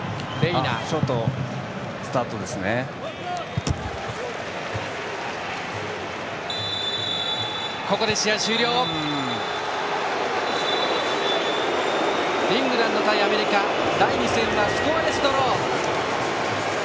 イングランド対アメリカ第２戦はスコアレスドロー。